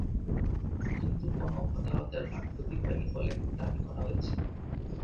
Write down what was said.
কিন্তু কোন হতাহতের বা ক্ষতি হয়নি বলে দাবী করা হয়েছে।